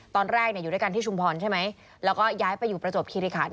ตอนแรกอยู่ด้วยกันที่ชุมพรใช่ไหมแล้วก็ย้ายไปอยู่ประจวบคิริขัน